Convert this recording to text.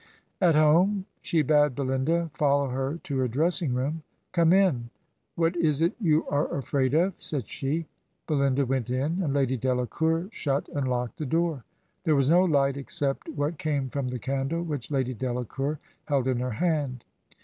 At home she bade Belinda " follow her to her dressing room. ... 'Come in; what is it you are afraid of ?' said she. Belinda went in, and Lady Delacour shut and locked the door. There was no hght except what came from the candle which Lady Delacour held in her hand.